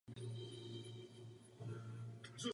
Nigérie musí udělat čtyři věci.